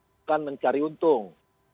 bukan mencari untung